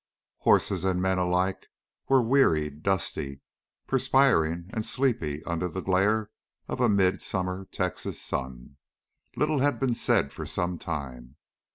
Horses and men alike were wearied, dusty, perspiring and sleepy under the glare of a midsummer Texas sun. Little had been said for some time.